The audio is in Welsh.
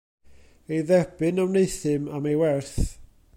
Ei dderbyn a wneuthum am ei werth.